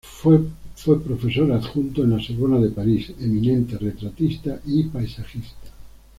Fue profesor adjunto en La Sorbona de París, eminente retratista y paisajista.